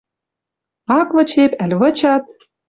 Ак вычеп, ӓль вычат —